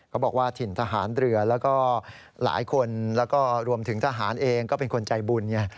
เขาบอกว่าถิ่นทหารเรือแล้วก็หลายคนแล้วก็รวมถึงทหารเองก็เป็นคนใจบุญไง